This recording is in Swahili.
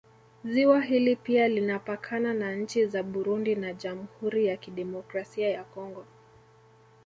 Ziwa hili pia linapakana na nchi za Burundi na jamhuri ya Kidemokrasia ya Congo